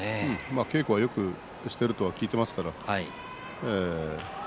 稽古もよくしていると聞いてますから。